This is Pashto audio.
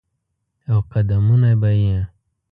او قدمونه به یې،